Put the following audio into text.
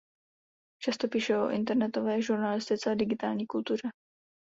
Často píše o internetové žurnalistice a digitální kultuře.